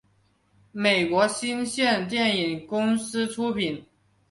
美国新线电影公司出品。